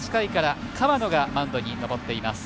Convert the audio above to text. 河野がマウンドに上っています。